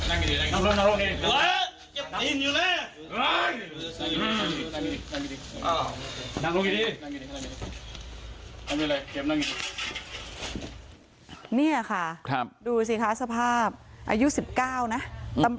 ไปกาลมันได้อย่างไรดีภาษานี้แกจะพันตัว